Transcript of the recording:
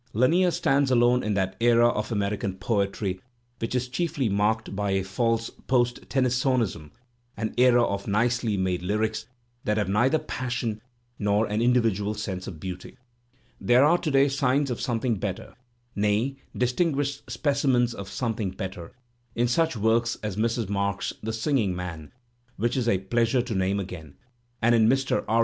Lanier stands alone in that era of American poetry which is chiefly marked by a false post Tennysonism, an era of nicely made lyrics that have neither passion nor an indi vidual sense of beauty. There are to day signs of some thing better, nay, distinguished specimens of something better, in such work as Mrs. Marks's "The Singing Man," which it is a pleasure to name again, and in Mr. R.